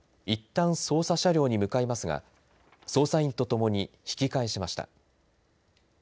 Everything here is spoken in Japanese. いったん捜査車両に向かいますが捜査員と共に引き返しました。